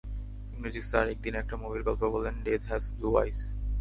ইংরেজির স্যার একদিন একটা মুভির গল্প বললেন, ডেথ হ্যাজ ব্লু আইজ।